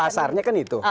pasarnya kan itu